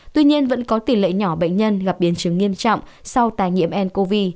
tuy nhiên vẫn có tỷ lệ nhỏ bệnh nhân gặp biến chứng nghiêm trọng sau tài nhiễm ncov